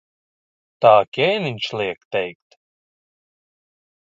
Tā ķēniņš liek teikt.